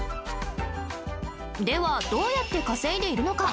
蠹舛ぁ磴任どうやって稼いでいるのか？